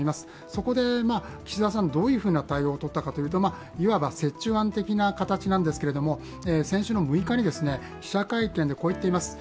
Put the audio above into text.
そこで岸田さん、どういうふうな対応をとったかというといわば折衷案的な形なんですが、先週の６日に記者会見でこう言っています。